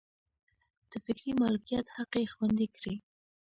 د فکري مالکیت حق یې خوندي کړي.